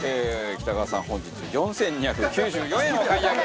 北川さん本日４２９４円お買い上げ。